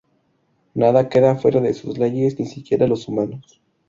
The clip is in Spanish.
Nada queda fuera de sus leyes, ni siquiera los humanos.